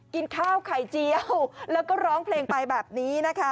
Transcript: กินข้าวไข่เจียวแล้วก็ร้องเพลงไปแบบนี้นะคะ